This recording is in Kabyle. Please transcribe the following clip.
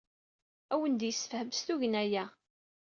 Ad awen-d-yessefhem s tugna-a.